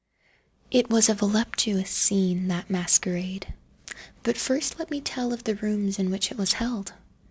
It was a voluptuous scene, that masquerade. But first let me tell of the rooms in which it was held.